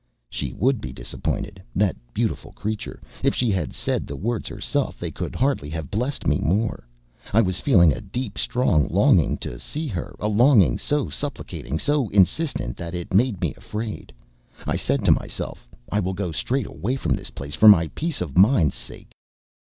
She would be disappointed that beautiful creature! If she had said the words herself they could hardly have blessed me more. I was feeling a deep, strong longing to see her a longing so supplicating, so insistent, that it made me afraid. I said to myself: "I will go straight away from this place, for my peace of mind's sake."